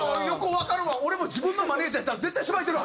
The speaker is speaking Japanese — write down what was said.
俺も自分のマネジャーやったら絶対しばいてる！